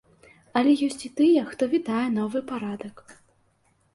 Але ёсць і тыя, хто вітае новы парадак.